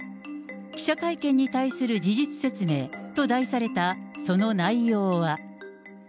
記者会見に対する事実説明と題されたその内容は。